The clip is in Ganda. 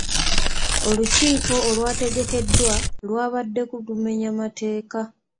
Olukukiiko olwategekeddwa lwa badde lumenya mateeka.